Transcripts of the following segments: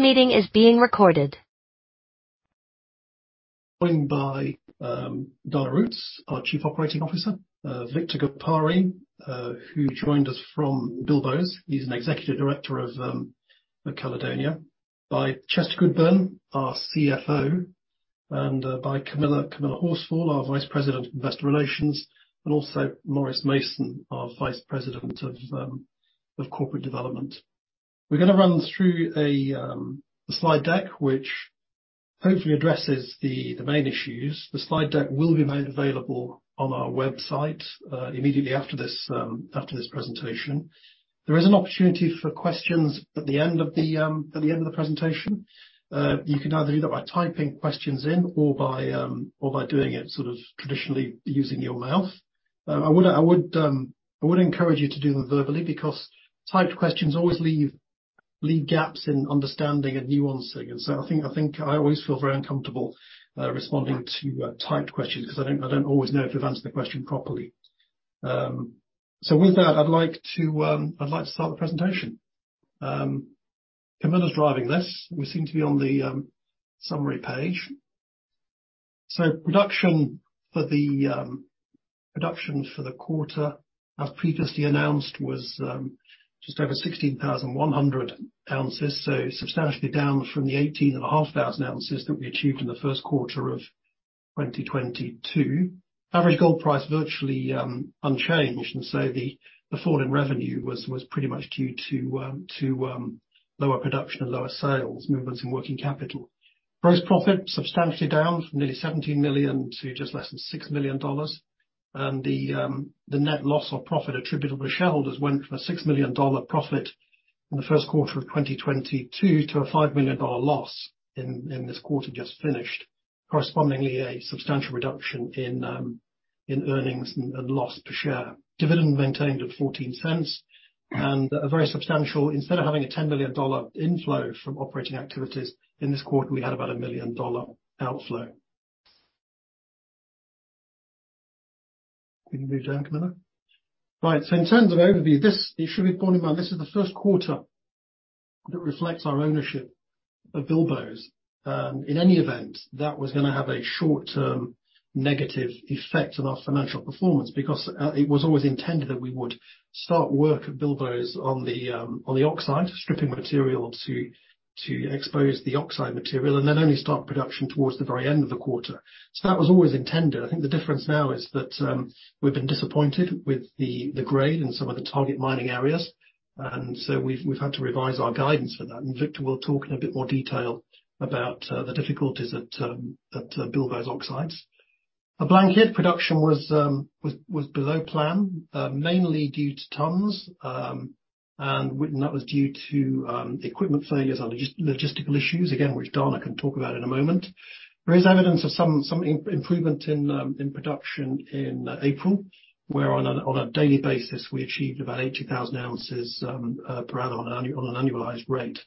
This meeting is being recorded. Joined by Dana Roets, our Chief Operating Officer, Victor Gapare, who joined us from Bilboes. He's an Executive Director of Caledonia. By Chester Goodburn, our CFO, and by Camilla Horsfall, our Vice President, Investor Relations, and also Maurice Mason, our Vice President of Corporate Development. We're gonna run through a slide deck, which hopefully addresses the main issues. The slide deck will be made available on our website immediately after this presentation. There is an opportunity for questions at the end of the presentation. You can either do that by typing questions in or by doing it sort of traditionally using your mouth. I would encourage you to do them verbally because typed questions always leave gaps in understanding and nuancing. I always feel very uncomfortable responding to typed questions because I don't always know if I've answered the question properly. With that, I'd like to start the presentation. Camilla's driving this. We seem to be on the summary page. Production for the quarter, as previously announced, was just over 16,100 ounces. Substantially down from the 18,500 ounces that we achieved in the first quarter of 2022. Average gold price virtually unchanged. The fall in revenue was pretty much due to lower production and lower sales, movements in working capital. Gross profit substantially down from nearly $17 million to just less than $6 million. The net loss or profit attributable to shareholders went from a $6 million profit in the first quarter of 2022 to a $5 million loss in this quarter just finished. Correspondingly, a substantial reduction in earnings and loss per share. Dividend maintained at $0.14. A very substantial, instead of having a $10 million inflow from operating activities, in this quarter, we had about a $1 million outflow. We can move down, Camilla. Right. In terms of overview, this, it should be pointed out, this is the first quarter that reflects our ownership of Bilboes. In any event, that was gonna have a short-term negative effect on our financial performance because it was always intended that we would start work at Bilboes on the oxide, stripping material to expose the oxide material and then only start production towards the very end of the quarter. That was always intended. I think the difference now is that we've been disappointed with the grade in some of the target mining areas, and so we've had to revise our guidance for that. Victor will talk in a bit more detail about the difficulties at Bilboes oxides. At Blanket, production was below plan, mainly due to tonnes. When that was due to equipment failures and logistical issues, again, which Dana can talk about in a moment. There is evidence of some improvement in production in April, where on a daily basis, we achieved about 80,000 ounces per annum on an annualized rate.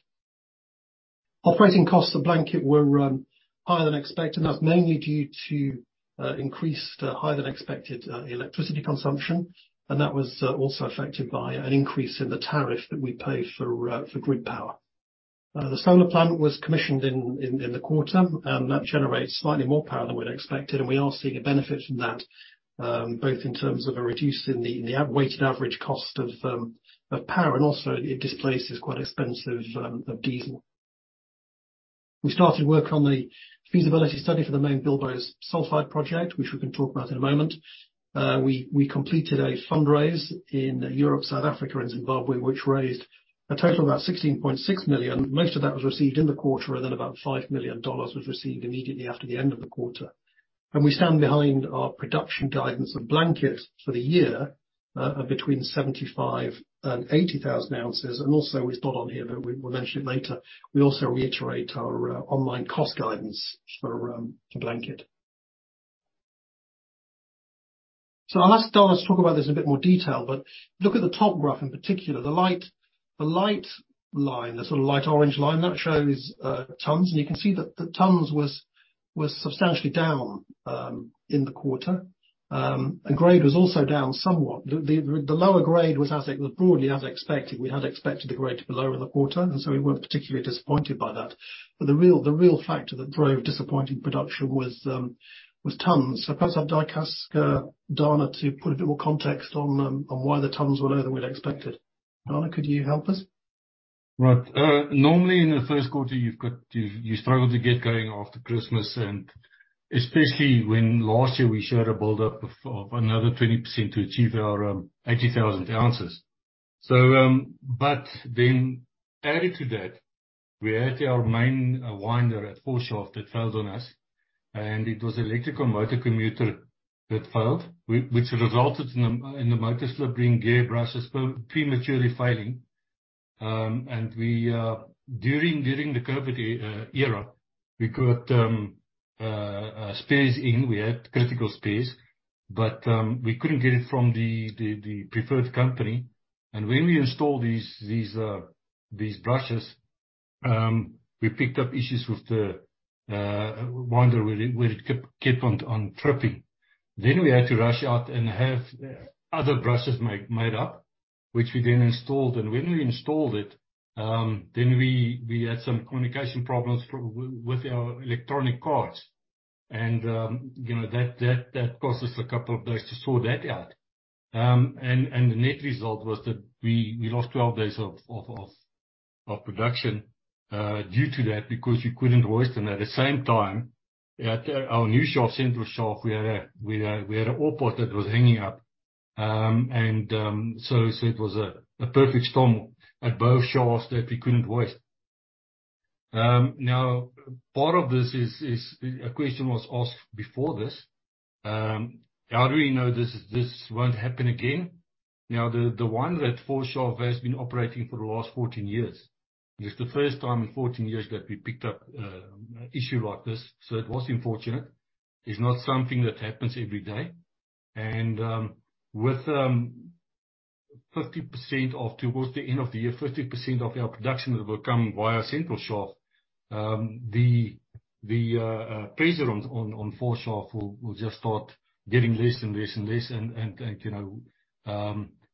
Operating costs at Blanket were higher than expected, and that's mainly due to increased higher than expected electricity consumption, and that was also affected by an increase in the tariff that we pay for grid power. The solar plant was commissioned in the quarter, and that generates slightly more power than we'd expected, and we are seeing a benefit from that, both in terms of a reduce in the weighted average cost of power, and also it displaces quite expensive diesel. We started work on the feasibility study for the main Bilboes sulfide project, which we can talk about in a moment. We completed a fundraise in Europe, South Africa and Zimbabwe, which raised a total of about $16.6 million. Most of that was received in the quarter, and then about $5 million was received immediately after the end of the quarter. We stand behind our production guidance of Blanket for the year, of between 75,000 and 80,000 ounces. Also, it's not on here, but we'll mention it later. We also reiterate our on-mine cost guidance for Blanket. I'll ask Dana to talk about this in a bit more detail, but look at the top graph in particular. The light line, the sort of light orange line, that shows tonnes, and you can see that the tonnes was substantially down in the quarter. And grade was also down somewhat. The lower grade was broadly as expected. We had expected the grade to be lower in the quarter, and so we weren't particularly disappointed by that. The real factor that drove disappointing production was tonnes. Perhaps I'd like to ask Dana to put a bit more context on why the tons were lower than we'd expected. Dana, could you help us? Right. Normally in the first quarter, you struggle to get going after Christmas, especially when last year we showed a buildup of another 20% to achieve our 80,000 ounces. Added to that, we had our main winder at four shaft that failed on us, it was electrical motor commutator that failed, which resulted in the motor slipping gear brushes prematurely failing. We during the COVID era, we got spares in. We had critical spares, we couldn't get it from the preferred company. When we installed these brushes, we picked up issues with the winder where it kept on tripping. We had to rush out and have other brushes made up, which we then installed. When we installed it, then we had some communication problems with our electronic cards. You know, that cost us a couple of days to sort that out. The net result was that we lost 12 days of production due to that because we couldn't hoist them. At the same time, at our new shaft, Central Shaft, we had an ore cart that was hanging up. It was a perfect storm at both shafts that we couldn't hoist. Now part of this is a question was asked before this. How do we know this won't happen again? The 4 Shaft has been operating for the last 14 years. It's the first time in 14 years that we picked up an issue like this. It was unfortunate. It's not something that happens every day. With, towards the end of the year, 50% of our production will come via Central Shaft. The pressure on 4 Shaft will just start getting less and less and less. You know,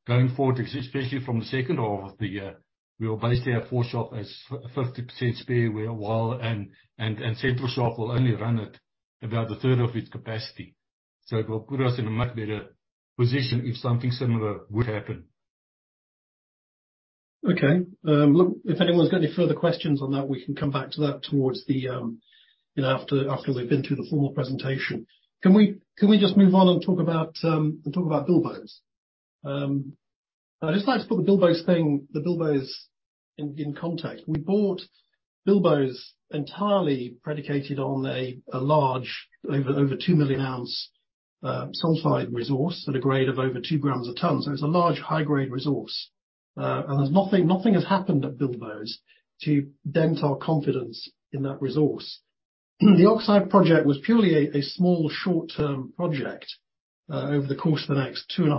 going forward, especially from the second half of the year, we will basically have 4 Shaft as 50% spare while Central Shaft will only run at about a third of its capacity. It will put us in a much better position if something similar would happen. Look, if anyone's got any further questions on that, we can come back to that towards the, you know, after we've been through the formal presentation. Can we, can we just move on and talk about, and talk about Bilboes? I'd just like to put the Bilboes thing, the Bilboes in context. We bought Bilboes entirely predicated on a large over 2 million ounce, sulfide resource at a grade of over 2 gms a ton. It's a large high grade resource. There's nothing has happened at Bilboes to dent our confidence in that resource. The oxide project was purely a small short-term project, over the course of the next two and a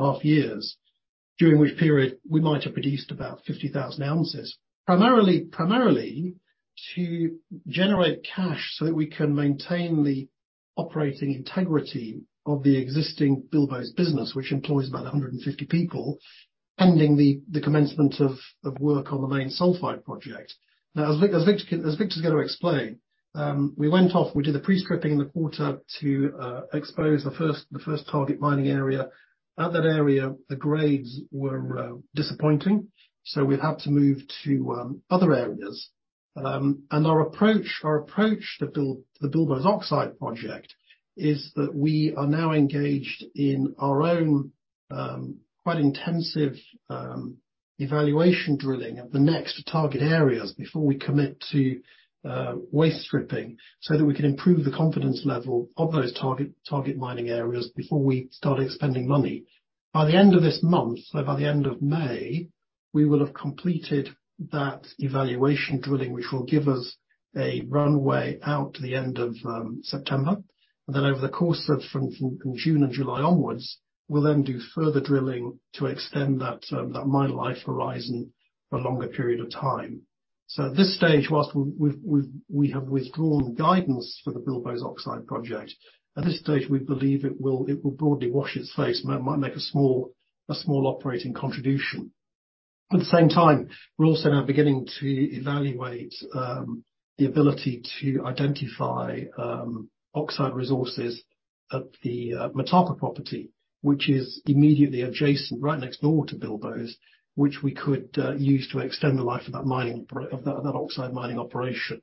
half years, during which period we might have produced about 50,000 ounces. Primarily to generate cash so that we can maintain the operating integrity of the existing Bilboes business, which employs about 150 people, pending the commencement of work on the main sulfide project. Now, as Vic can, as Victor's gonna explain, we went off, we did the pre-stripping in the quarter to expose the first target mining area. At that area, the grades were disappointing, so we had to move to other areas. Our approach to the Bilboes oxide project is that we are now engaged in our own, quite intensive, evaluation drilling at the next target areas before we commit to waste stripping, so that we can improve the confidence level of those target mining areas before we start expending money. By the end of this month, so by the end of May, we will have completed that evaluation drilling, which will give us a runway out to the end of September. Over the course of from June and July onwards, we'll then do further drilling to extend that mine life horizon for a longer period of time. At this stage, whilst we have withdrawn guidance for the Bilboes oxide project. At this stage, we believe it will broadly wash its face. Might make a small operating contribution. At the same time, we're also now beginning to evaluate the ability to identify oxide resources at the Motapa property, which is immediately adjacent right next door to Bilboes, which we could use to extend the life of that oxide mining operation.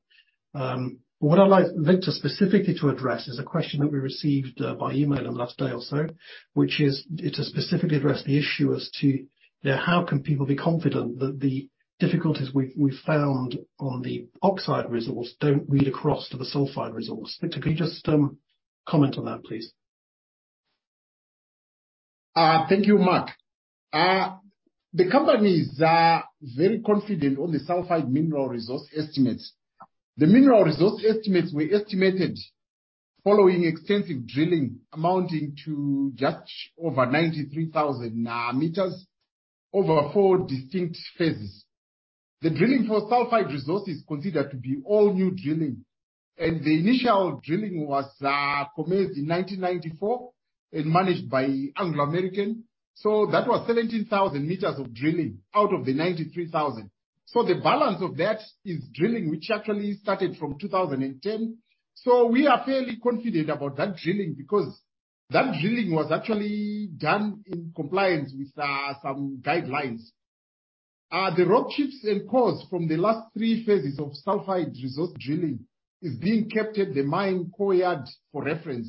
What I'd like Victor specifically to address is a question that we received by email in the last day or so, which is it to specifically address the issue as to, you know, how can people be confident that the difficulties we found on the oxide resource don't read across to the sulfide resource? Victor, can you just comment on that, please? Thank you, Mark. The company is very confident on the sulfide mineral resource estimates. The mineral resource estimates were estimated following extensive drilling amounting to just over 93,000 meters over four distinct phases. The drilling for sulfide resource is considered to be all new drilling, and the initial drilling was commenced in 1994 and managed by Anglo American. That was 17,000 meters of drilling out of the 93,000. The balance of that is drilling, which actually started from 2010. We are fairly confident about that drilling because that drilling was actually done in compliance with some guidelines. The rock chips and cores from the last three phases of sulfide resource drilling is being kept at the mine courtyard for reference.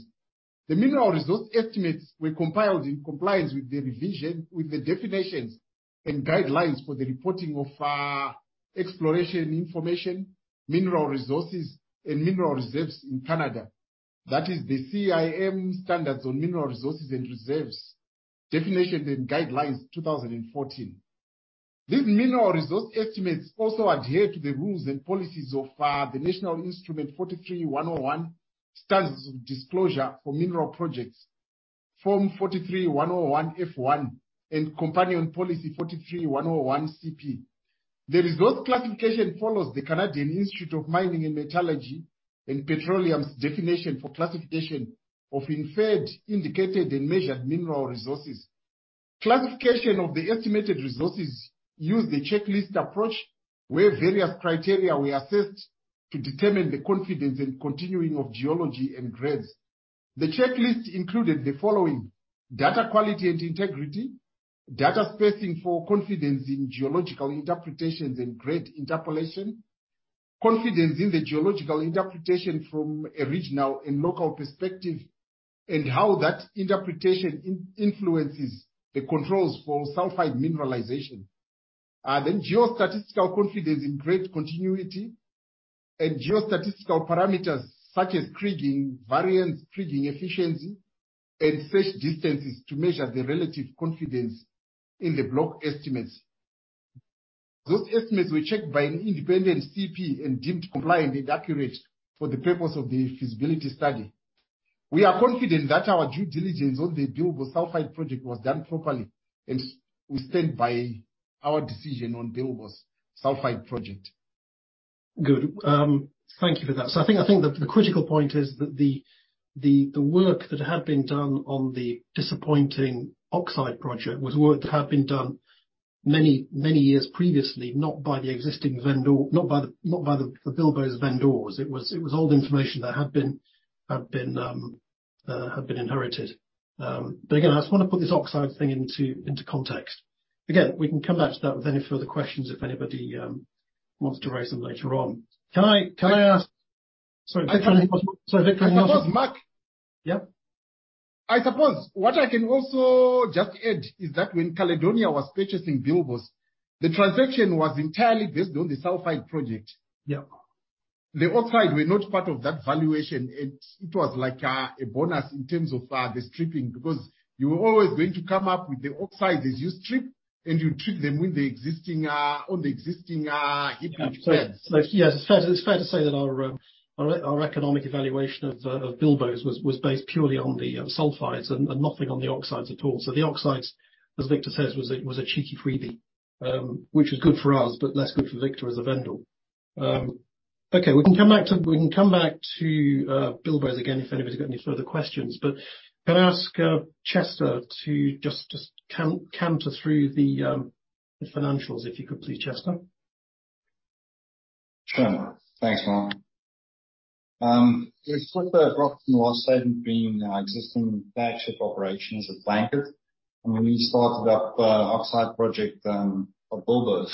The mineral resource estimates were compiled in compliance with the revision, with the definitions and guidelines for the reporting of exploration information, mineral resources and mineral reserves in Canada. That is the CIM Standards on Mineral Resources and Reserves Definition and Guidelines 2014. These mineral resource estimates also adhere to the rules and policies of the National Instrument 43-101, Standards of Disclosure for Mineral Projects, Form 43-101F1, and Companion Policy 43-101CP. The resource classification follows the Canadian Institute of Mining, Metallurgy and Petroleum's definition for classification of inferred, indicated, and measured mineral resources. Classification of the estimated resources use the checklist approach, where various criteria were assessed to determine the confidence in continuing of geology and grades. The checklist included the following: data quality and integrity, data spacing for confidence in geological interpretations and grade interpolation, confidence in the geological interpretation from a regional and local perspective, and how that interpretation influences the controls for sulfide mineralization. Then geostatistical confidence in grade continuity and geostatistical parameters such as kriging, variance, kriging efficiency, and search distances to measure the relative confidence in the block estimates. Those estimates were checked by an independent CP and deemed compliant and accurate for the purpose of the feasibility study. We are confident that our due diligence on the Bilbo sulfide project was done properly, and we stand by our decision on Bilbo's sulfide project. Good. Thank you for that. I think the critical point is that the work that had been done on the disappointing oxide project was work that had been done many, many years previously, not by the existing vendor, not by the Bilboes's vendors. It was old information that had been inherited. Again, I just wanna put this oxide thing into context. Again, we can come back to that with any further questions if anybody wants to raise them later on. Can I ask? Sorry, Victor. I suppose, Mark. Yeah. I suppose what I can also just add is that when Caledonia was purchasing Bilboes, the transaction was entirely based on the sulfide project. Yeah. The oxide were not part of that valuation, and it was like, a bonus in terms of the stripping. Because you were always going to come up with the oxides as you strip, and you treat them with the existing on the existing heap leach pads. Yes, it's fair to say that our economic evaluation of Bilboes was based purely on the sulfides and nothing on the oxides at all. The oxides, as Victor says, was a cheeky freebie, which is good for us but less good for Victor as a vendor. Okay, we can come back to Bilboes again if anybody's got any further questions. Can I ask Chester to just canter through the financials, if you could please, Chester? Sure. Thanks, Mark. With proper profit and loss statement between our existing flagship operations at Blanket, and when we started up, oxide project at Bilboes.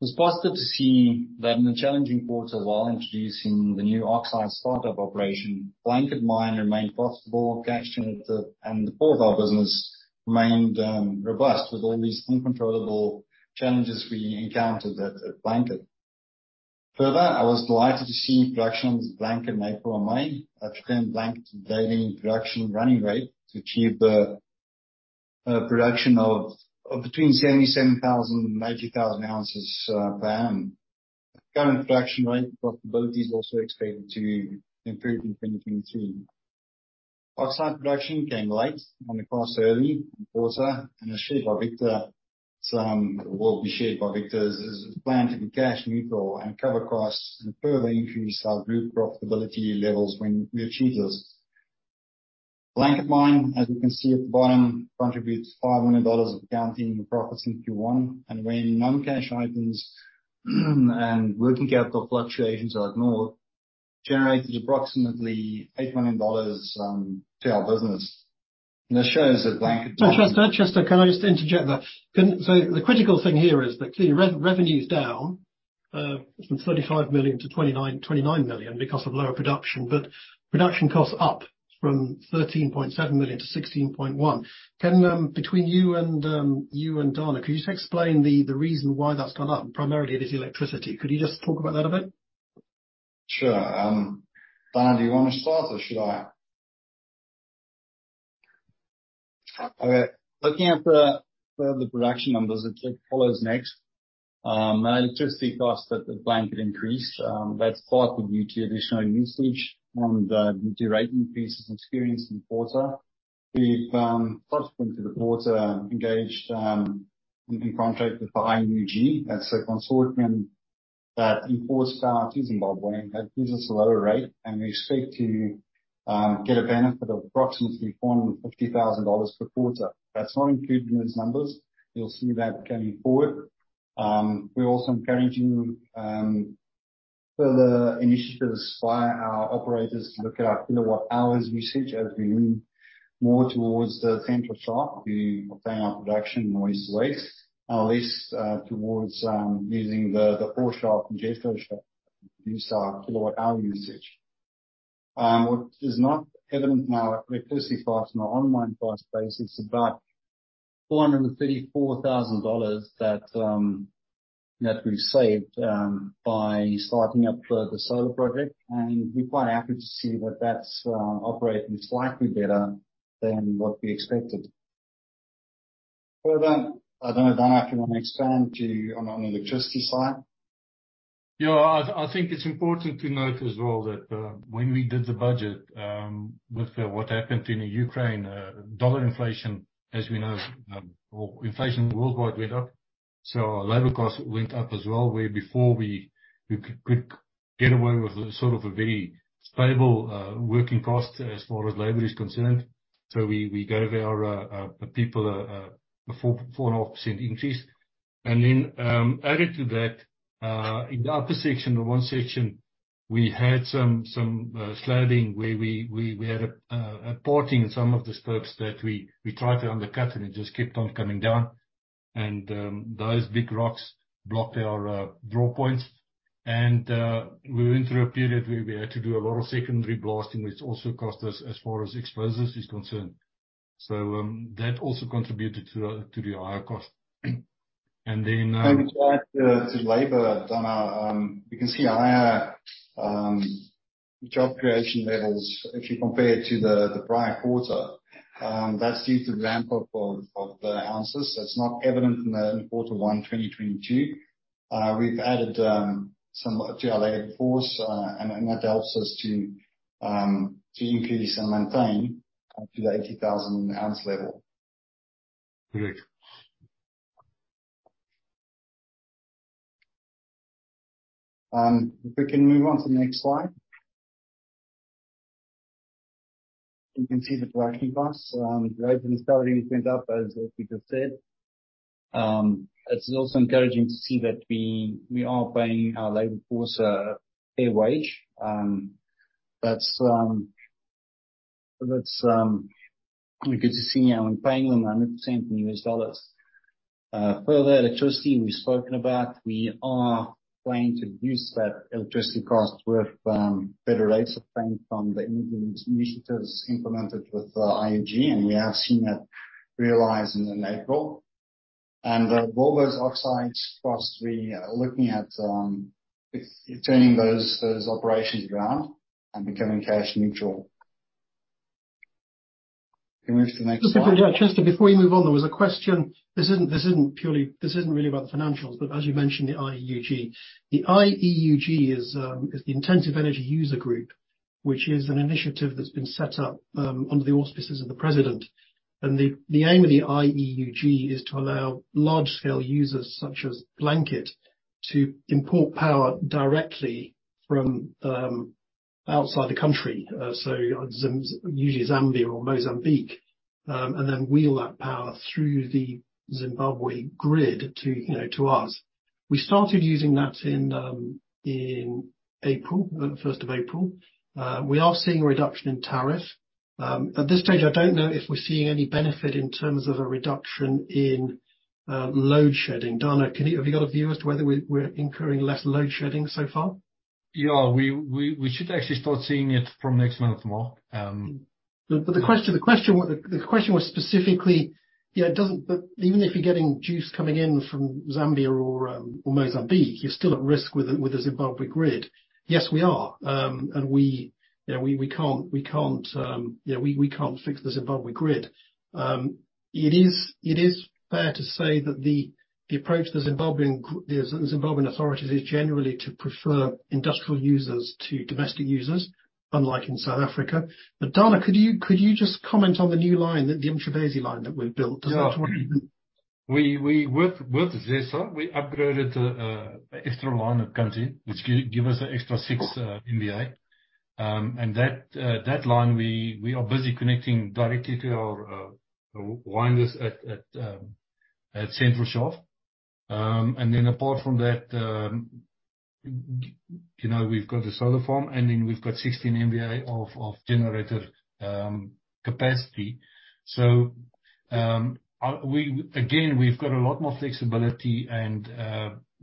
It's positive to see that in the challenging quarter while introducing the new oxide startup operation, Blanket Mine remained profitable. Cash generator and all of our business remained robust with all these uncontrollable challenges we encountered at Blanket. Further, I was delighted to see productions Blanket in April and May attain Blanket's daily production running rate to achieve a production of between 77,000 and 90,000 ounces per annum. Current production rate profitability is also expected to improve in 2023. Oxide production came late and the costs early in the quarter. As shared by Victor be shared by Victor's plan to be cash neutral and cover costs and further increase our group profitability levels when we achieve this. Blanket Mine, as you can see at the bottom, contributes $500 of accounting profits in Q1. When non-cash items and working capital fluctuations are ignored, generated approximately $8 million to our business. This shows that Blanket- Chester, can I just interject there? The critical thing here is that clearly revenue is down from $35 million to $29 million because of lower production. Production costs up from $13.7 million to $16.1 million. Between you and Dana, could you just explain the reason why that's gone up? Primarily it is electricity. Could you just talk about that a bit? Sure. Dana, do you wanna start or should I? Okay. Looking at the production numbers, it follows next. Our electricity costs at the Blanket Mine increased. That's partly due to additional usage and due to rate increases experienced in the quarter. We've subsequent to the quarter engaged in contract with IEUG. That's a consortium that imports power to Zimbabwe that gives us a lower rate, and we expect to get a benefit of approximately $150,000 per quarter. That's not included in these numbers. You'll see that going forward. We're also encouraging further initiatives via our operators to look at our kilowatt-hours usage as we move more towards the central shaft. We obtain our production in the east wings and less towards using the 4 shaft and Jethro Shaft. Reduce our kilowatt-hour usage. What is not evident in our electricity costs on an on-mine cost basis is about $434,000 that we've saved by starting up the solar project. We're quite happy to see that that's operating slightly better than what we expected. Further, I don't know, Dana, if you wanna expand on the electricity side. I think it's important to note as well that when we did the budget, with what happened in Ukraine, dollar inflation, as we know, or inflation worldwide went up. Our labor cost went up as well, where before we could get away with a, sort of a very stable working cost as far as labor is concerned. We gave our people a 4.5% increase. Added to that, in the upper section, the 1 section, we had some sliding where we had a porting in some of the slopes that we tried to undercut, and it just kept on coming down. Those big rocks blocked our draw points. We went through a period where we had to do a lot of secondary blasting, which also cost us as far as exposures is concerned. That also contributed to the higher cost. Maybe to add to labor, Dana. You can see higher job creation levels if you compare it to the prior quarter. That's due to the ramp up of the ounces. That's not evident in quarter one 2022. We've added some to our labor force, and that helps us to increase and maintain up to the 80,000 ounce level. Correct. If we can move on to the next slide. You can see the breaking costs. Labor and staffing went up, as Peter said. It's also encouraging to see that we are paying our labor force a fair wage, that's good to see. We're paying them 100% in U.S. dollars. Further, electricity we've spoken about. We are planning to reduce that electricity cost with better rates of payment from the energy initiatives implemented with IEUG, and we have seen that realized in April. With all those oxides costs, we are looking at if turning those operations around and becoming cash neutral. Can you move to the next slide? Just before you move on, there was a question. This isn't really about the financials, but as you mentioned, the IEUG. The IEUG is the Intensive Energy User Group, which is an initiative that's been set up under the auspices of the president. The aim of the IEUG is to allow large scale users such as Blanket to import power directly from outside the country. Usually Zambia or Mozambique, and then wheel that power through the Zimbabwe grid to, you know, to us. We started using that in April, first of April. We are seeing a reduction in tariff. At this stage I don't know if we're seeing any benefit in terms of a reduction in load shedding. Dana, have you got a view as to whether we're incurring less load shedding so far? Yeah. We should actually start seeing it from next month, Mark. The question was specifically, even if you're getting juice coming in from Zambia or Mozambique, you're still at risk with the Zimbabwe grid. Yes, we are. We can't fix the Zimbabwe grid. It is fair to say that the approach the Zimbabwean authorities is generally to prefer industrial users to domestic users, unlike in South Africa. Dana, could you just comment on the new line, the Umzingwane line that we've built? Yeah. Sort of even. We with ZESA, we upgraded extra line that comes in, which give us an extra 6 MVA. That line we are busy connecting directly to our winders at central shaft. Apart from that, you know, we've got the solar farm, and then we've got 16 MVA of generator capacity. We again, we've got a lot more flexibility and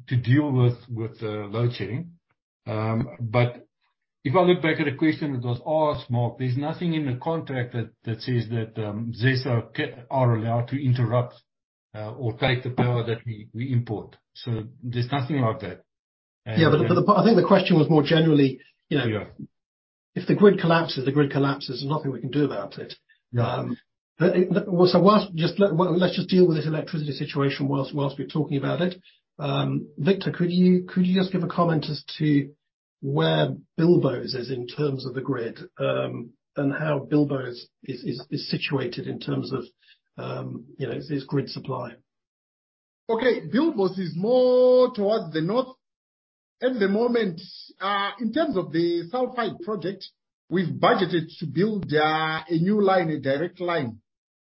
to deal with the load shedding. If I look back at the question that was asked, Mark, there's nothing in the contract that says that ZESA are allowed to interrupt or take the power that we import. There's nothing like that. Yeah, I think the question was more generally, you know... Yeah. If the grid collapses, the grid collapses. There's nothing we can do about it. Yeah. Well, whilst, let's just deal with this electricity situation whilst we're talking about it. Victor, could you just give a comment as to where Bilboes is in terms of the grid, and how Bilboes is situated in terms of, you know, its grid supply? Okay. Bilboes is more towards the north. At the moment, in terms of the sulfide project, we've budgeted to build a new line, a direct line,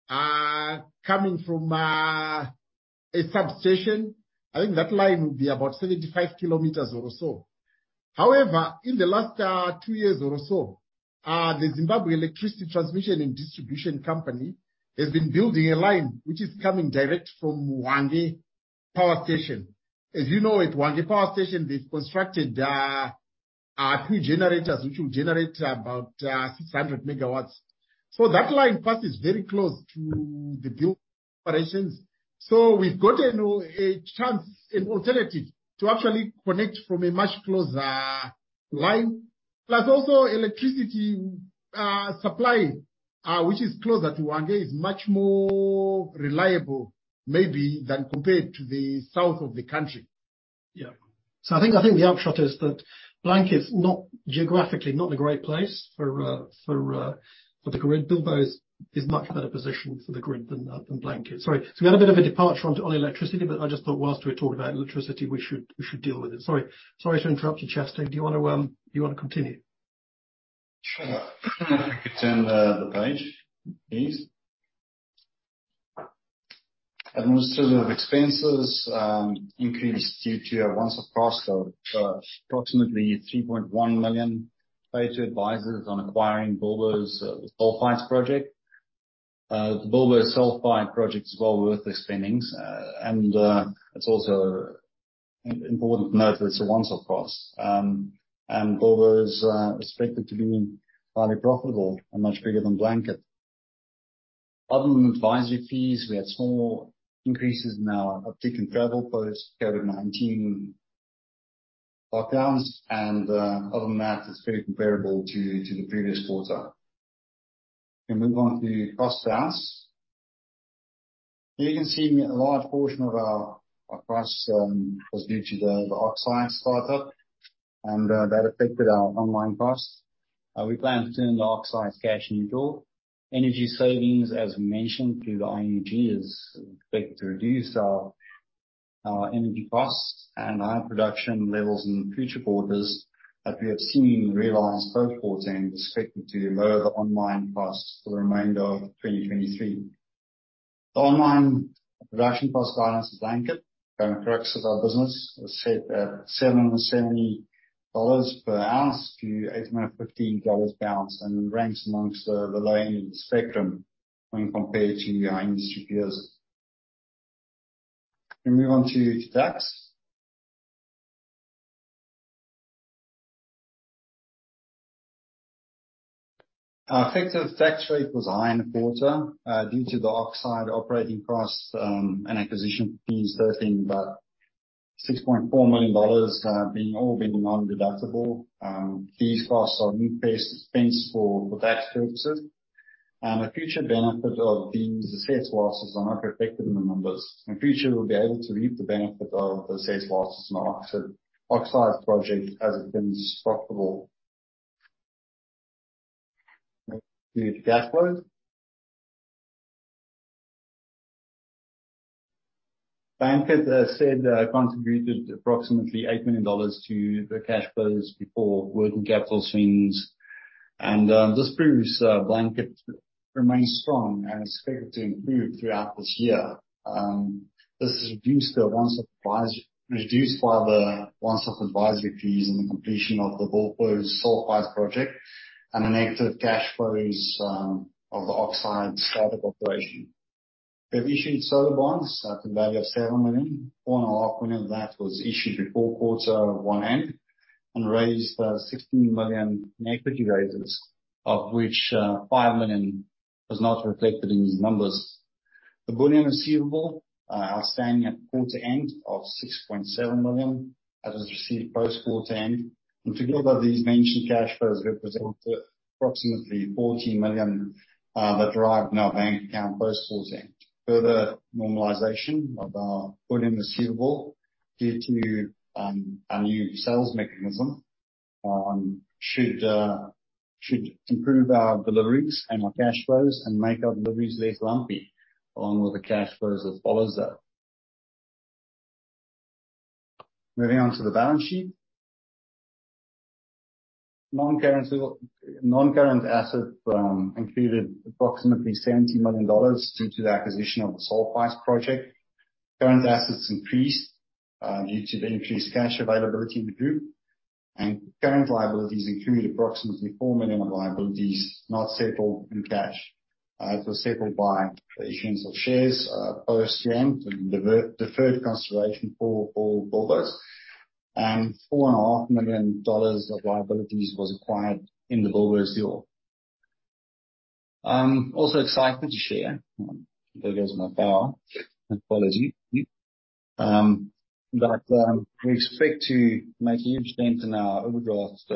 coming from a substation. I think that line will be about 75 kms or so. However, in the last two years or so, the Zimbabwe Electricity Transmission and Distribution Company has been building a line which is coming direct from Hwange Power Station. As you know, at Hwange Power Station, they've constructed three generators, which will generate about 600 megawatts. That line passes very close to the Bilboes operations. We've gotten a chance, an alternative, to actually connect from a much closer-Line, plus also electricity supply, which is closer to Hwange is much more reliable maybe than compared to the south of the country. Yeah. I think the upshot is that Blanket's not geographically not a great place for the grid. Bilboes is much better positioned for the grid than Blanket. Sorry. We had a bit of a departure onto, on electricity, but I just thought whilst we were talking about electricity, we should deal with it. Sorry to interrupt you, Chester. Do you wanna continue? Sure. Turn the page, please. Administrative expenses increased due to a one-off cost of approximately $3.1 million paid to advisors on acquiring Bilboes Sulfides project. Bilboes Sulfide project is well worth the spending. It's also important to note that it's a one-off cost. Bilboes is expected to be highly profitable and much bigger than Blanket. Other than advisory fees, we had small increases in our uptick in travel post COVID-19 lockdowns, and other than that, it's pretty comparable to the previous quarter. We move on to cost of ounce. Here you can see a large portion of our costs was due to the oxide startup, and that affected our on-mine costs. We plan to turn the oxide cash neutral. Energy savings, as we mentioned, through the IEUG is expected to reduce our energy costs and higher production levels in future quarters that we have seen realized both quarters and is expected to lower the on-mine costs for the remainder of 2023. The on-mine production cost guidance is Blanket. Current crux of our business was set at $770 per ounce to $815 per ounce and ranks amongst the low end of the spectrum when compared to our industry peers. We move on to tax. Our effective tax rate was high in the quarter due to the oxide operating costs and acquisition fees totaling about $6.4 million, all being non-deductible. These costs are not best spent for tax purposes. A future benefit of these assessed losses are not reflected in the numbers. In future, we'll be able to reap the benefit of assessed losses in our oxide project as it becomes profitable. To cash flow. Blanket said contributed approximately $8 million to the cash flows before working capital swings. This proves Blanket remains strong and is expected to improve throughout this year. This has reduced the once off advisory fees and the completion of the Bilboes Sulfide project and the negative cash flows of the oxide startup operation. We've issued solar bonds at the value of $7 million. Four and a half million of that was issued before quarter one end and raised $16 million equity raises, of which $5 million was not reflected in these numbers. The bullion receivable outstanding at quarter end of $6.7 million, as was received post-quarter end. In total, these mentioned cash flows represent approximately $14 million that arrived in our bank account post-quarter end. Further normalization of our bullion receivable due to our new sales mechanism should improve our deliveries and our cash flows and make our deliveries less lumpy, along with the cash flows that follows that. Moving on to the balance sheet. Non-current assets included approximately $70 million due to the acquisition of the sulfide project. Current assets increased due to the increased cash availability in the group. Current liabilities include approximately $4 million of liabilities not settled in cash. It was settled by the issuance of shares post year-end and deferred consideration for all Bilboes. Four and a half million dollars of liabilities was acquired in the Bilboes deal. I'm also excited to share, there goes my power. Apology. That we expect to make a huge dent in our overdraft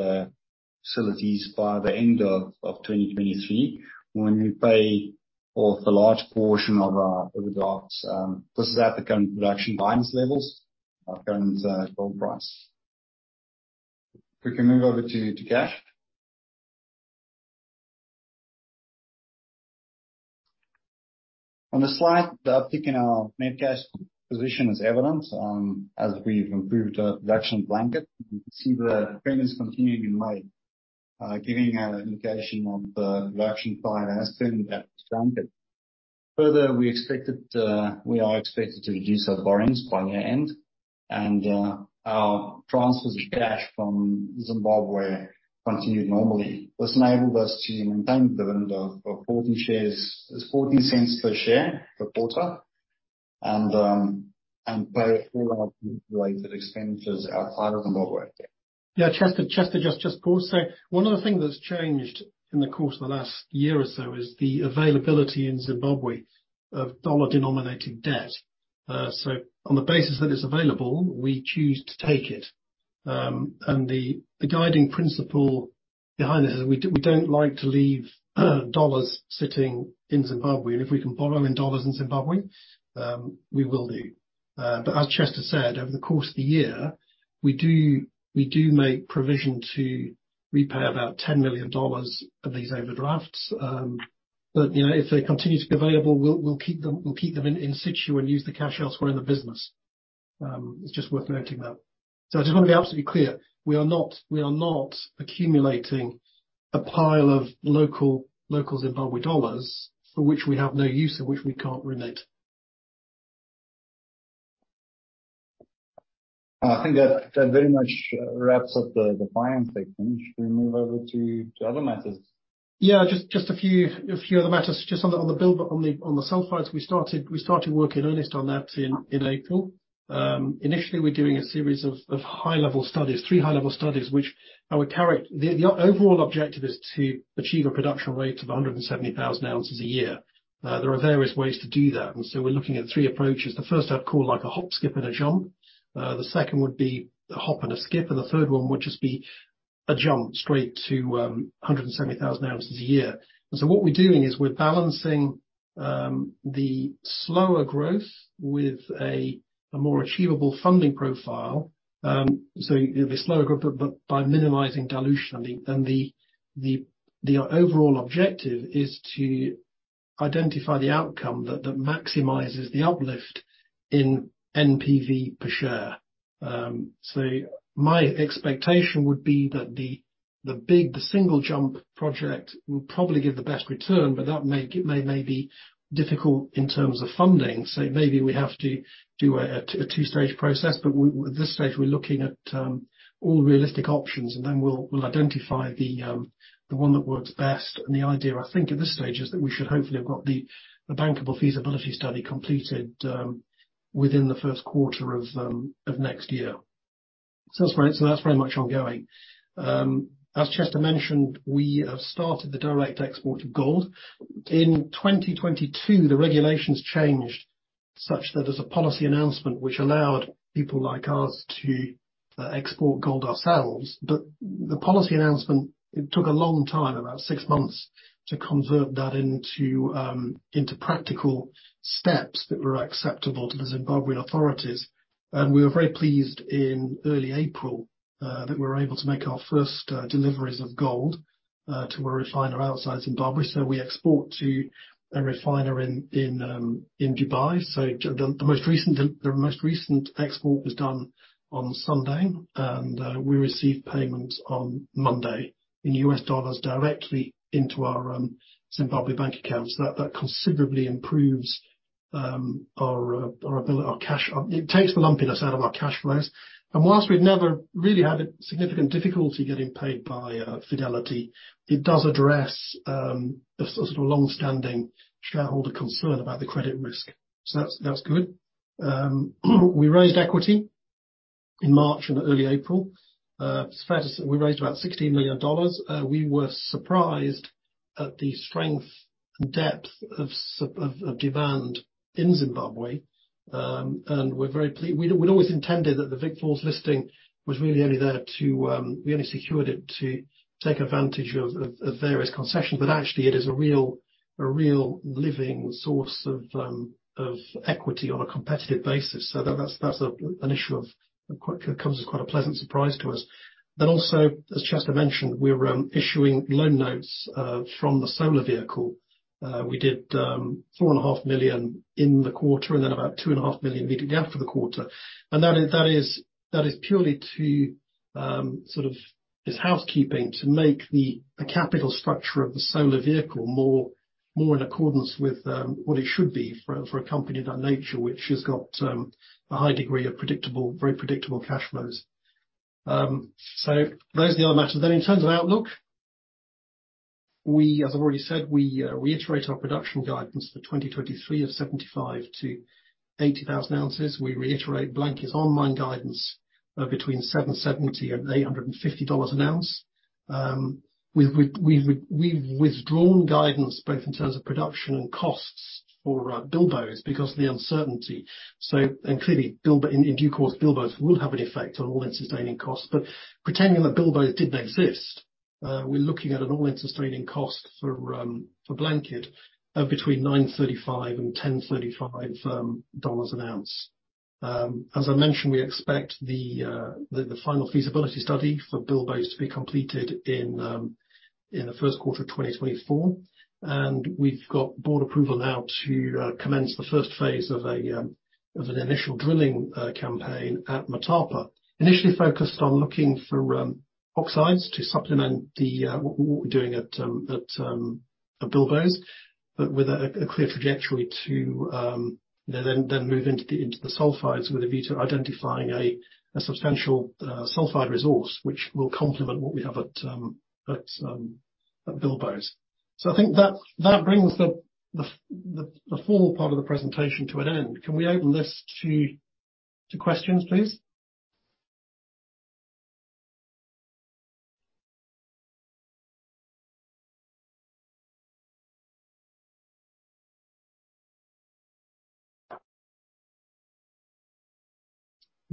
facilities by the end of 2023, when we pay off a large portion of our overdrafts, plus the African production guidance levels, our current gold price. We can move over to cash. On this slide, the uptick in our net cash position is evident as we've improved our production at Blanket. You can see the payments continuing to be made, giving an indication of the production profile as claimed at Blanket. Further, we are expected to reduce our borrowings by year-end. Our transfers of cash from Zimbabwe continued normally. This enabled us to maintain the dividend of $0.14 per share per quarter and pay all our related expenditures outside of Zimbabwe. Chester, just pause there. One of the things that's changed in the course of the last year or so is the availability in Zimbabwe of dollar-denominated debt. On the basis that it's available, we choose to take it. The guiding principle behind it is we don't like to leave dollars sitting in Zimbabwe, and if we can borrow in dollars in Zimbabwe, we will do. As Chester said, over the course of the year, we do make provision to repay about $10 million of these overdrafts. You know, if they continue to be available, we'll keep them in situ and use the cash elsewhere in the business. It's just worth noting that. I just wanna be absolutely clear, we are not accumulating a pile of local Zimbabwe dollars for which we have no use and which we can't remit. I think that very much wraps up the finance segment. Should we move over to other matters? Just a few other matters. Just on the Bilbo- on the sulfides, we started working earnest on that in April. Initially, we're doing a series of high-level studies, three high-level studies, which I would The overall objective is to achieve a production rate of 170,000 ounces a year. There are various ways to do that, we're looking at three approaches. The first I'd call like a hop, skip, and a jump. The second would be a hop and a skip, and the third one would just be a jump straight to 170,000 ounces a year. What we're doing is we're balancing the slower growth with a more achievable funding profile. It'll be slower growth, but by minimizing dilution. I mean, the overall objective is to identify the outcome that maximizes the uplift in NPV per share. My expectation would be that the big, the single jump project will probably give the best return, but that may be difficult in terms of funding. Maybe we have to do a two-stage process. At this stage, we're looking at all realistic options and then we'll identify the one that works best. The idea, I think, at this stage is that we should hopefully have got the bankable feasibility study completed within the first quarter of next year. That's very much ongoing. As Chester mentioned, we have started the direct export of gold. In 2022, the regulations changed such that there's a policy announcement which allowed people like us to export gold ourselves. The policy announcement, it took a long time, about 6 months, to convert that into practical steps that were acceptable to the Zimbabwean authorities. We were very pleased in early April that we were able to make our first deliveries of gold to a refiner outside Zimbabwe. We export to a refiner in Dubai. The most recent export was done on Sunday, and we received payments on Monday in US dollars directly into our Zimbabwean bank account. That considerably improves our ability, our cash. It takes the lumpiness out of our cash flows. Whilst we've never really had a significant difficulty getting paid by Fidelity, it does address a sort of longstanding shareholder concern about the credit risk. That's good. We raised equity in March and early April. We raised about $16 million. We were surprised at the strength and depth of demand in Zimbabwe, and we'd always intended that the Vic Falls listing was really only there to, we only secured it to take advantage of various concessions. Actually, it is a real living source of equity on a competitive basis. That's a, an issue of, quite, it comes as quite a pleasant surprise to us. Also, as Chester mentioned, we're issuing loan notes from the solar vehicle. We did $4.5 million in the quarter, and then about $2.5 million immediately after the quarter. That is purely to sort of this housekeeping to make the capital structure of the solar vehicle more in accordance with what it should be for a company of that nature, which has got a high degree of predictable, very predictable cash flows. Those are the other matters. In terms of outlook, we, as I've already said, we reiterate our production guidance for 2023 of 75,000-80,000 ounces. We reiterate Blanket's online guidance of $770-$850 an ounce. We've withdrawn guidance both in terms of production and costs for Bilboes because of the uncertainty. Clearly, in due course, Bilboes will have an effect on all-in sustaining costs. Pretending that Bilboes didn't exist, we're looking at an all-in sustaining cost for Blanket of between $935 and $1,035 an ounce. As I mentioned, we expect the final feasibility study for Bilboes to be completed in the first quarter of 2024. We've got board approval now to commence the first phase of an initial drilling campaign at Motapa, initially focused on looking for oxides to supplement what we're doing at Bilboes. With a clear trajectory to then move into the sulfides with a view to identifying a substantial sulfide resource, which will complement what we have at Bilboes. I think that brings the formal part of the presentation to an end. Can we open this to questions, please?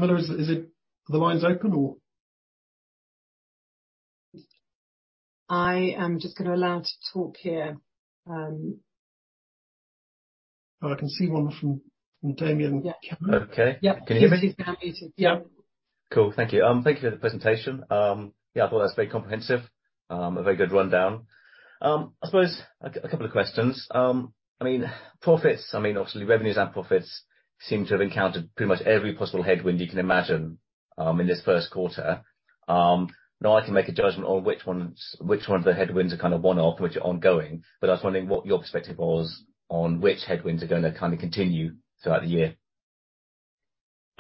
Camilla, are the lines open or? I am just gonna allow to talk here. Oh, I can see one from [Damian Cameron]. Yeah. Okay. Yeah. Can you hear me? He's unmuted. Yeah. Cool. Thank you. Thank you for the presentation. I thought that's very comprehensive, a very good rundown. I suppose a couple of questions. I mean, profits, I mean, obviously revenues and profits seem to have encountered pretty much every possible headwind you can imagine in this first quarter. I can make a judgment on which one of the headwinds are kinda one-off, which are ongoing, but I was wondering what your perspective was on which headwinds are gonna kinda continue throughout the year.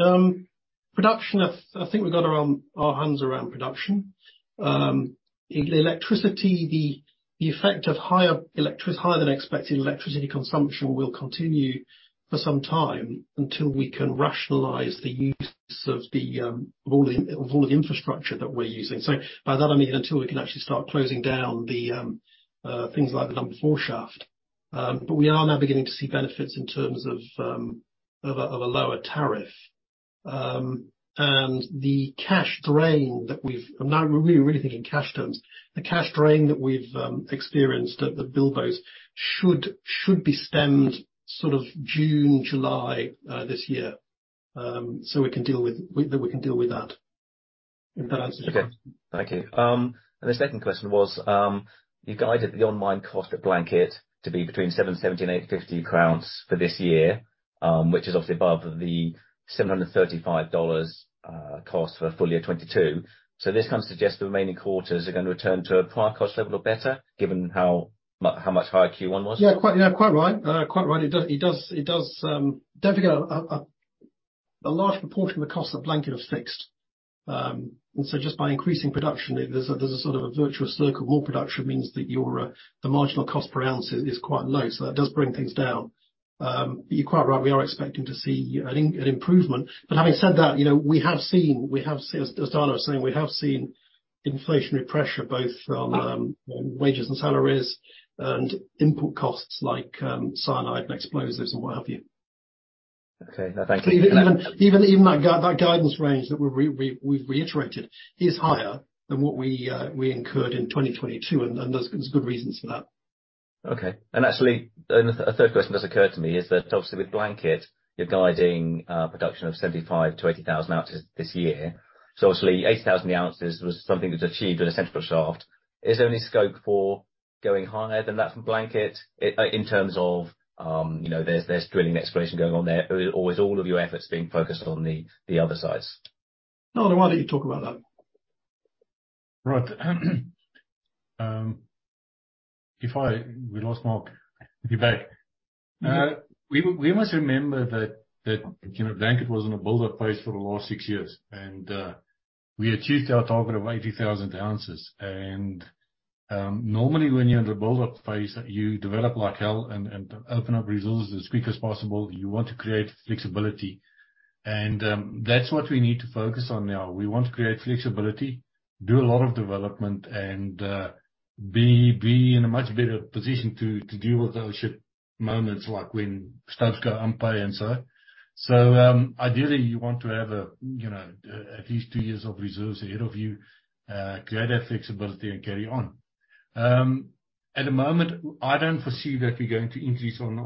I think we got our hands around production. Electricity, the effect of higher than expected electricity consumption will continue for some time until we can rationalize the use of all the infrastructure that we're using. By that I mean, until we can actually start closing down things like the number four shaft. We are now beginning to see benefits in terms of a lower tariff. The cash drain that we've and now we're really, really thinking cash terms. The cash drain that we've experienced at the Bilboes should be stemmed sort of June, July this year. We can deal with that we can deal with that. If that answers your question. Okay. Thank you. The second question was, you guided the on-mine cost at Blanket to be between $770 and $850 for this year, which is obviously above the $735 cost for full year 2022. This kind of suggests the remaining quarters are gonna return to a prior cost level or better, given how much higher Q1 was? Quite, quite right. Quite right. It does, it does, it does, don't forget a large proportion of the cost of Blanket is fixed. Just by increasing production, there's a sort of a virtuous circle. More production means that your the marginal cost per ounce is quite low, so that does bring things down. You're quite right, we are expecting to see an improvement. Having said that, you know, we have seen, as Dana was saying, we have seen inflationary pressure both from wages and salaries and input costs like cyanide and explosives and what have you. Okay. No, thank you. Even that guidance range that we've reiterated is higher than what we incurred in 2022, and there's good reasons for that. Okay. Actually, a third question just occurred to me is that obviously with Blanket, you're guiding production of 75,000-80,000 ounces this year. Obviously 80,000 ounces was something that's achieved in a central shaft. Is there any scope for going higher than that from Blanket in terms of, you know, there's drilling exploration going on there or is all of your efforts being focused on the other sites? No, I'll let you talk about that. Right. We lost Mark. He's back. Mm-hmm. We must remember that, you know, Blanket was in a build-up phase for the last six years, we achieved our target of 80,000 ounces. Normally when you're in the build-up phase, you develop like hell and open up resources as quick as possible. You want to create flexibility, that's what we need to focus on now. We want to create flexibility, do a lot of development and be in a much better position to deal with those ship moments, like when staffs go unpaid and so on. Ideally you want to have, you know, at least two years of reserves ahead of you, create that flexibility and carry on. At the moment I don't foresee that we're going to increase on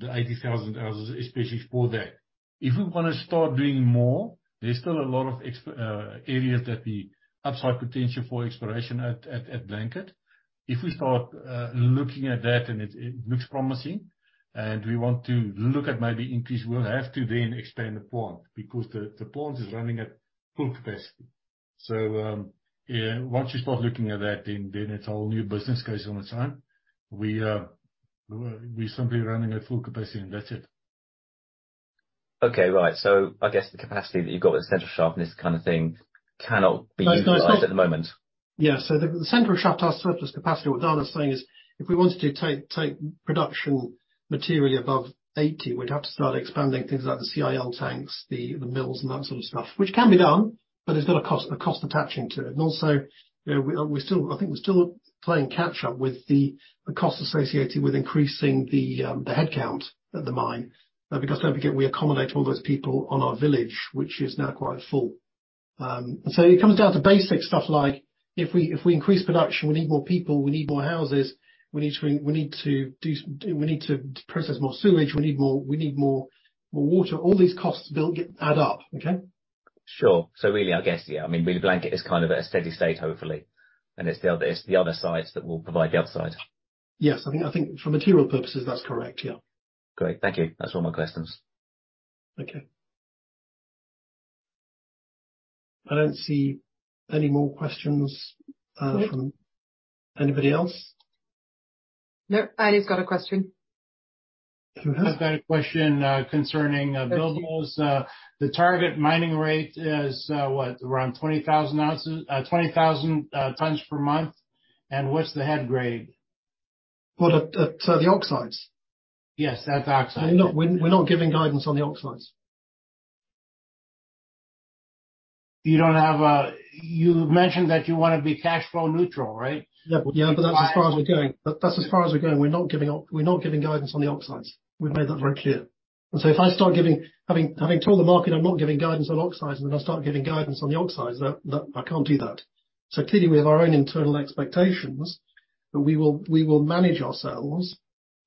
the 80,000 ounces, especially for that. If we wanna start doing more, there's still a lot of areas that the upside potential for exploration at Blanket. If we start looking at that and it looks promising and we want to look at maybe increase, we'll have to then expand the plant because the plant is running at full capacity. Once you start looking at that, then it's a whole new business case on its own. We're simply running at full capacity and that's it. Okay. Right. I guess the capacity that you've got at central shaft and this kind of thing cannot be utilized at the moment. Yeah. The central shaft has surplus capacity. What Dana is saying is, if we wanted to take production materially above 80, we'd have to start expanding things like the CIL tanks, the mills and that sort of stuff. Which can be done, but it's got a cost attaching to it. Also, you know, we're still I think we're still playing catch up with the costs associated with increasing the headcount at the mine. Because don't forget, we accommodate all those people on our village, which is now quite full. It comes down to basic stuff like if we, if we increase production, we need more people, we need more houses, we need to do we need to process more sewage, we need more, more water. All these costs build, get, add up. Okay? Sure. Really, I guess, yeah, I mean, really Blanket is kind of at a steady state hopefully, and it's the other, it's the other sites that will provide the upside. Yes. I think for material purposes, that's correct. Yeah. Great. Thank you. That's all my questions. Okay. I don't see any more questions from anybody else. No. [Andy's] got a question. Who has? I've got a question concerning Bilboes. The target mining rate is, what? Around 20,000 ounces, 20,000 tons per month? What's the head grade? What, the oxides? Yes. That oxide. We're not giving guidance on the oxides. You mentioned that you wanna be cash flow neutral, right? Yeah, but that's as far as we're going. That's as far as we're going. We're not giving guidance on the oxides. We've made that very clear. If I start giving, having told the market I'm not giving guidance on oxides, and then I start giving guidance on the oxides, that, I can't do that. Clearly we have our own internal expectations, but we will, we will manage ourselves,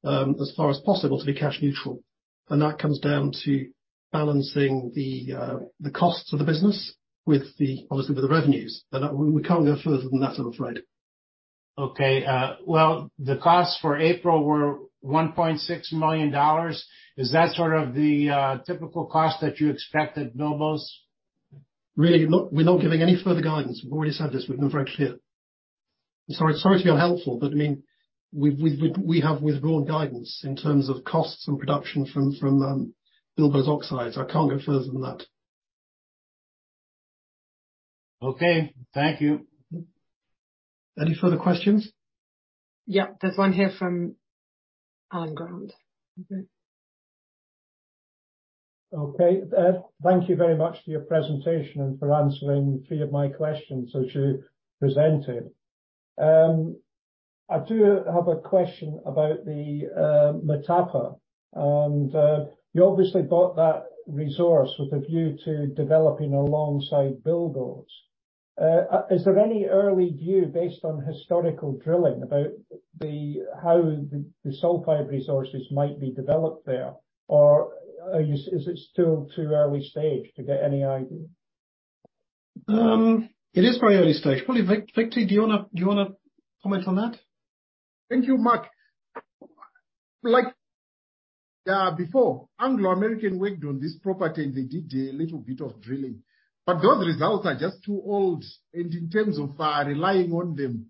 as far as possible to be cash neutral, and that comes down to balancing the costs of the business with the, obviously with the revenues. That one, we can't go further than that, I'm afraid. Okay. Well, the costs for April were $1.6 million. Is that sort of the typical cost that you expect at Bilboes? Really, look, we're not giving any further guidance. We've already said this. We've been very clear. Sorry to be unhelpful, I mean, we have withdrawn guidance in terms of costs and production from Bilboes oxides. I can't go further than that. Okay. Thank you. Any further questions? Yeah. There's one here from Alan Ground. Okay. Okay. Thank you very much for your presentation and for answering three of my questions as you presented. I do have a question about the Motapa. You obviously bought that resource with a view to developing alongside Bilboes. Is there any early view based on historical drilling about how the sulfide resources might be developed there? Or is it still too early stage to get any idea? It is very early stage. Probably Victor, do you wanna comment on that? Thank you, Mark. Like, before, Anglo American worked on this property, and they did a little bit of drilling, but those results are just too old. In terms of, relying on them,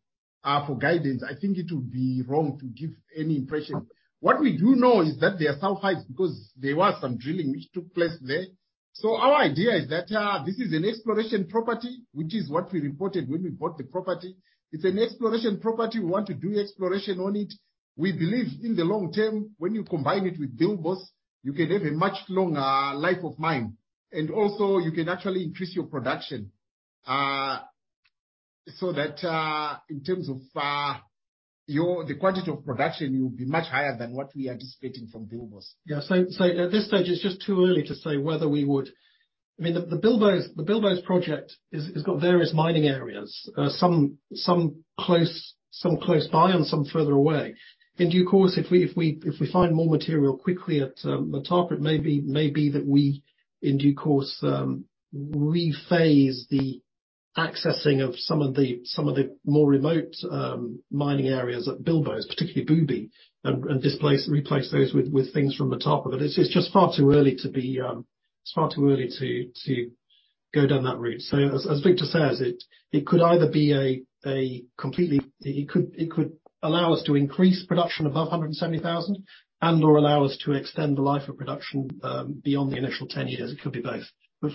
for guidance, I think it would be wrong to give any impression. What we do know is that they are sulfides because there was some drilling which took place there. Our idea is that, this is an exploration property, which is what we reported when we bought the property. It's an exploration property. We want to do exploration on it. We believe in the long term, when you combine it with Bilboes, you can have a much longer life of mine. Also you can actually increase your production. That, in terms of, the quantity of production will be much higher than what we are anticipating from Bilboes. Yeah. At this stage it's just too early to say whether we would. I mean, the Bilboes project has got various mining areas. Some close by and some further away. In due course, if we find more material quickly at Motapa, it may be that we in due course rephase the accessing of some of the more remote mining areas at Bilboes, particularly Bubi, and replace those with things from Motapa. It's just far too early to be, it's far too early to go down that route. As Victor says, it could either be a completely...It could allow us to increase production above 170,000 and/or allow us to extend the life of production beyond the initial 10 years. It could be both.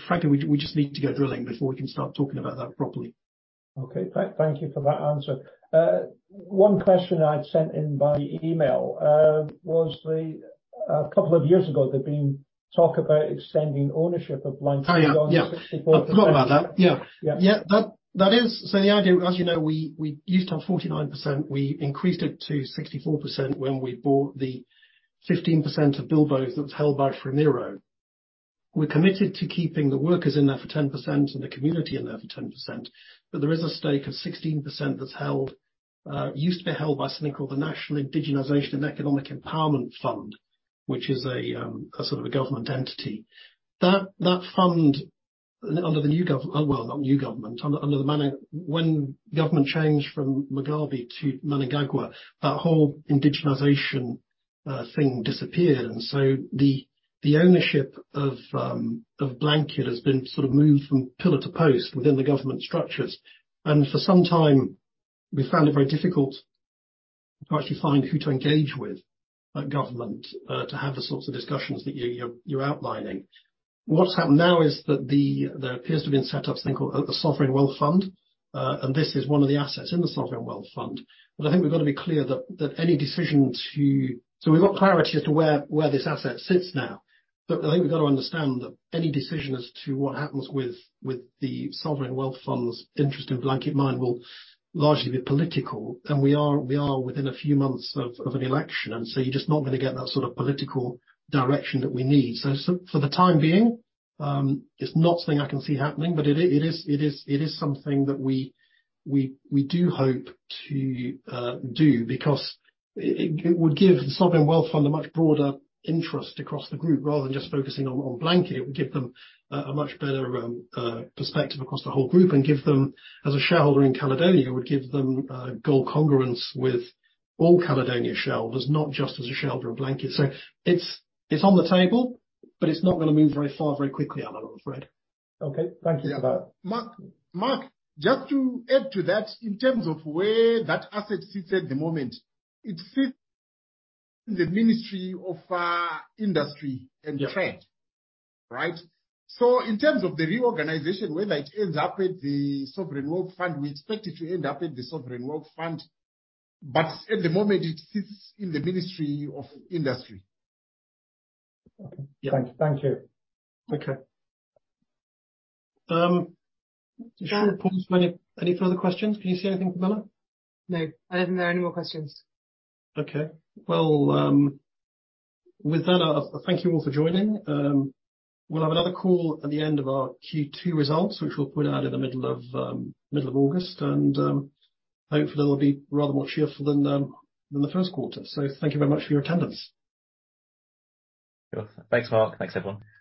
Frankly, we just need to go drilling before we can start talking about that properly. Okay. Thank you for that answer. One question I'd sent in by email, was the, a couple of years ago, there'd been talk about extending ownership of Blanket-. Oh, yeah. Yeah... beyond 64%. I forgot about that. Yeah. Yeah. That is the idea, as you know, we used to have 49%. We increased it to 64% when we bought the 15% of Bilboes that was held by Fremiro. We committed to keeping the workers in there for 10% and the community in there for 10%. There is a stake of 16% that's held, used to be held by something called the National Indigenisation and Economic Empowerment Fund, which is a sort of a government entity. That fund under the new government. When government changed from Mugabe to Mnangagwa, that whole Indigenisation thing disappeared. The ownership of Blanket has been sort of moved from pillar to post within the government structures. For some time we found it very difficult to actually find who to engage with at government, to have the sorts of discussions that you're outlining. What's happened now is that there appears to have been set up something called, the Sovereign Wealth Fund. This is one of the assets in the Sovereign Wealth Fund. I think we've got to be clear. So we've got clarity as to where this asset sits now. I think we've got to understand that any decision as to what happens with the Sovereign Wealth Fund's interest in Blanket Mine will largely be political. We are within a few months of an election, so you're just not gonna get that sort of political direction that we need. For the time being, it's not something I can see happening, but it is something that we do hope to do because it would give the Sovereign Wealth Fund a much broader interest across the group. Rather than just focusing on Blanket, it would give them a much better perspective across the whole group and give them, as a shareholder in Caledonia, it would give them gold congruence with all Caledonia shareholders, not just as a shareholder of Blanket. It's on the table, but it's not gonna move very far very quickly, I'm afraid. Okay. Thank you for that. Mark, just to add to that, in terms of where that asset sits at the moment, it sits in the Ministry of Industry and Trade. Yeah. Right? In terms of the reorganization, whether it ends up at the Mutapa Investment Fund, we expect it to end up at the Mutapa Investment Fund. At the moment, it sits in the Ministry of Industry. Okay. Yeah. Thank you. Okay. Do you wanna pause for any further questions? Can you see anything, Camilla? No. I don't think there are any more questions. Okay. Well, with that, thank you all for joining. We'll have another call at the end of our Q2 results, which we'll put out in the middle of August, and hopefully it'll be rather more cheerful than the first quarter. Thank you very much for your attendance. Sure. Thanks, Mark. Thanks, everyone.